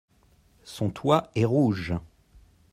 Son toît est rouge.